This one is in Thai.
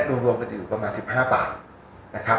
รวมรวมถึงอยู่กระมาณสิบห้าบาทนะครับ